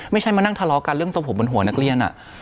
ไม่ใช่มานั่งทะเลาะกันเรื่องทรงผมบนหัวนักเรียน